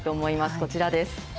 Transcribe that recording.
こちらです。